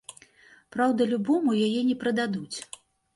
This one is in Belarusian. Праўда, любому яе не прададуць.